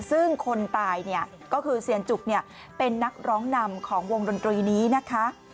ซึ่งคนตายเนี่ยก็คือเซียนจุกเป็นนักร้องนำของวงดนตรีนี้นะคะ